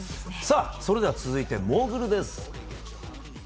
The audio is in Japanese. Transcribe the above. それでは続いて、モーグルです。